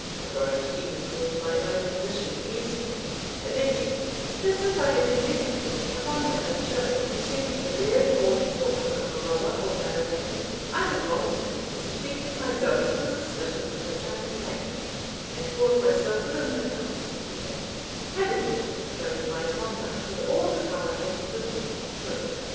The rogue even turned my own admissions against me, alleging, "that since I had confessedly, upon my own showing, assumed the bearing or deportment of a robber or malefactor, I had voluntarily subjected myself to the suspicions of which I complained, and brought myself within the compass of the act, having wilfully clothed my conduct with all the colour and livery of guilt."